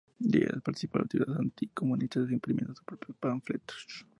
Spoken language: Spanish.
Diem participó en las actividades anti-comunistas, imprimiendo sus propios panfletos.